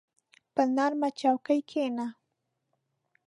په نرمه چوکۍ کښېنه.